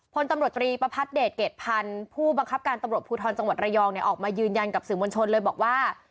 พลตำรวจตรีประพัทธเดชเกรดพันธ์ผู้บังคับการตำรวจภูทรจังหวัดระยองออกมายืนยันกับสื่อมวลชนเลยบอกว่า